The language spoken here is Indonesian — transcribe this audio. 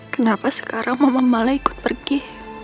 kenapa sekarang mama malai ikut pergi